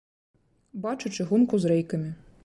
Бачу чыгунку з рэйкамі.